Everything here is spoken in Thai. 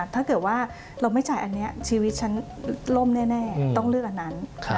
ถ้าเกิดว่าเราไม่จ่ายอันนี้ชีวิตฉันล่มแน่ต้องเลือกอันนั้น